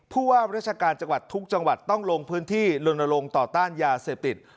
ผู้ว่าราชการจังหวัดทุกจังหวัดต้องลงพื้นที่ลนลงต่อต้านยาเสพติด